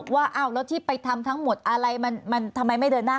ว่าอ้าวแล้วที่ไปทำทั้งหมดอะไรมันทำไมไม่เดินหน้า